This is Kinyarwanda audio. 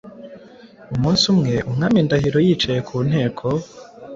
Umunsi umwe, Umwami Ndahiro yicaye ku nteko